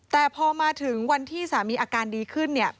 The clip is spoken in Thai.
แต่พอมาถึงวันที่สามีอาการดีขึ้นเนี่ย